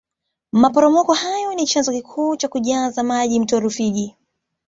maporomoko hayo ni chanzo kikuu cha kujaza maji mto rufiji